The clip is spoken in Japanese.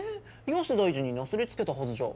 岩瀬大臣になすりつけたはずじゃ？